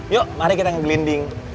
yuk mari kita ngegelinding